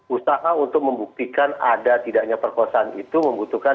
usaha untuk membuktikan ada tidaknya perkosaan itu membutuhkan